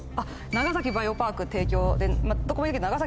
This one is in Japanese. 長崎バイオパーク。